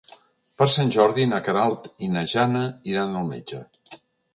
Per Sant Jordi na Queralt i na Jana iran al metge.